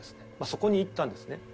そこに行ったんですね。